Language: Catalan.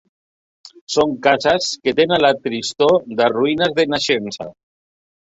Son cases que tenen la tristor de ruïnes de naixença